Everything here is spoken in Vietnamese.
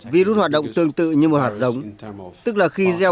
virus hoạt động tương tự như một hạt giống